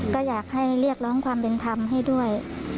ก็อยากให้เรียกร้องความเป็นธรรมให้ด้วย